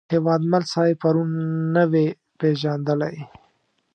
هیوادمل صاحب پرون نه وې پېژندلی.